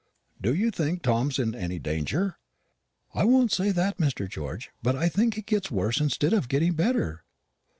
"Do you think Tom's in any danger?" "I won't say that, Mr. George; but I think he gets worse instead of getting better."